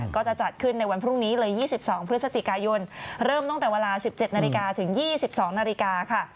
ก็จะจัดขึ้นในวันพรุ่งนี้เลยยี่สิบสองเพื่อสติกายนเริ่มตั้งแต่เวลาสิบเจ็ดนาฬิกาถึงยี่สิบสองนาฬิกาค่ะ